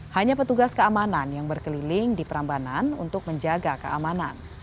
hanya petugas keamanan yang berkeliling di perambanan untuk menjaga keamanan